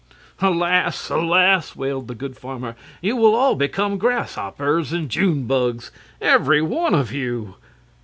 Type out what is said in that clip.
"Alas! Alas!" wailed the good farmer, "you will all become grasshoppers and June bugs every one of you!"